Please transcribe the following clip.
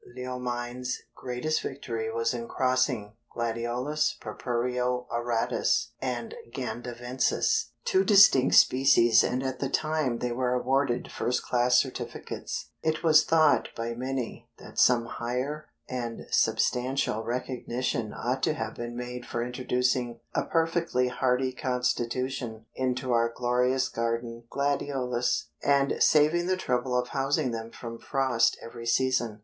Leomine's greatest victory was in crossing Gladiolus purpureo auratus and gandavensis, two distinct species, and at the time they were awarded first class certificates, it was thought by many that some higher and substantial recognition ought to have been made for introducing a perfectly hardy constitution into our glorious garden gladiolus, and saving the trouble of housing them from frost every season."